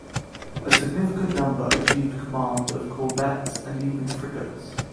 A significant number achieved command of Corvettes and even Frigates.